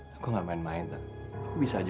hai aku nggak main main aku bisa aja